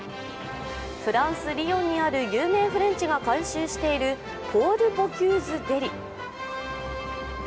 フランス・リヨンにある有名フレンチが監修しているポール・ボキューズデリ。